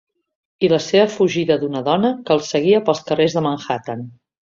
I la seva fugida d'una dona que el seguia pels carrers de Manhattan.